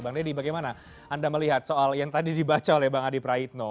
bang deddy bagaimana anda melihat soal yang tadi dibaca oleh bang adi praitno